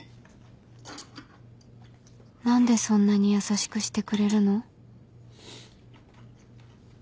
何でそんなに優しくしてくれるの？